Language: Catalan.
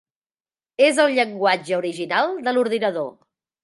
És el llenguatge original de l'ordinador.